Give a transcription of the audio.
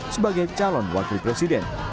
sebagai calon wakil presiden